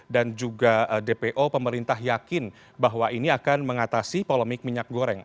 dan juga dpo pemerintah yakin bahwa ini akan mengatasi polemik minyak goreng